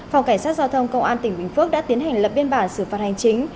phòng cảnh sát giao thông công an tỉnh bình phước đã tiến hành lập biên bản xử phạt hành chính